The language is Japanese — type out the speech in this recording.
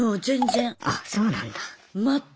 あそうなんだ。